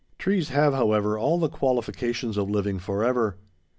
Trees have, however, all the qualifications of living forever.